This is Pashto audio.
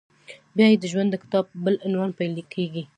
بیا یې د ژوند د کتاب بل عنوان پیل کېږي…